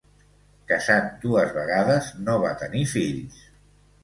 Casat dues vegades, no va tenir fills.